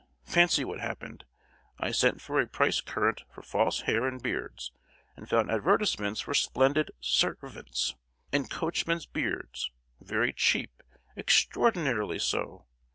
Fancy what happened: I sent for a price current for false hair and beards, and found advertisements for splendid ser—vants' and coachmen's beards, very cheap—extraordinarily so!